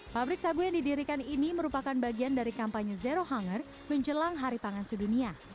pabrik sagu yang didirikan ini merupakan bagian dari kampanye zero hunger menjelang hari pangan sedunia